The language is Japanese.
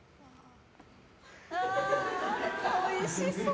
おいしそう。